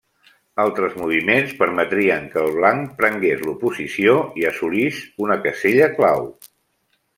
Altres moviments permetrien que el blanc prengués l'oposició i assolís una casella clau.